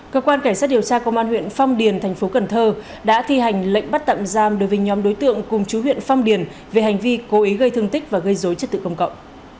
cơ quan cảnh sát điều tra công an huyện phong điền thành phố cần thơ đã thi hành lệnh bắt tạm giam đối với nhóm đối tượng cùng chú huyện phong điền về hành vi cố ý gây thương tích và gây dối trật tự công cộng